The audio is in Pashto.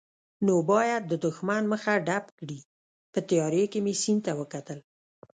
نو باید د دښمن مخه ډب کړي، په تیارې کې مې سیند ته وکتل.